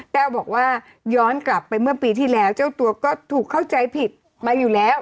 แต้วบอกว่าย้อนกลับไปเมื่อปีที่แล้วเจ้าตัวก็ถูกเข้าใจผิดมาอยู่แล้ว